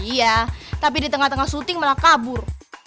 iya tapi di tengah tengah syuting malah kabur